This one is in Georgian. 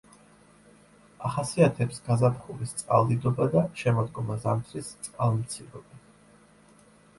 ახასიათებს გაზაფხულის წყალდიდობა და შემოდგომა-ზამთრის წყალმცირობა.